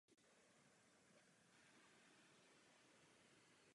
Přesto lituji absence konkrétních opatření a skutečné strategie rozvoje.